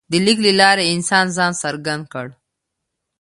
د لیک له لارې انسان ځان څرګند کړ.